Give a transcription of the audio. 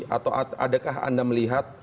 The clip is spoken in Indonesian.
atau adakah anda melihat